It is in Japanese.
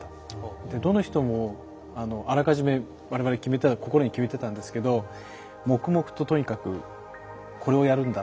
どの人もあらかじめ我々心に決めてたんですけど黙々ととにかくこれをやるんだと。